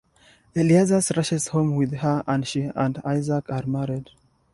Eliezer rushes home with her and she and Isaac are married.